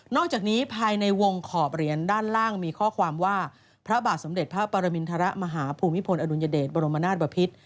จากนี้ภายในวงขอบเหรียญด้านล่างมีข้อความว่าพระบาทสมเด็จพระปรมินทรมาฮภูมิพลอดุลยเดชบรมนาศบพิษ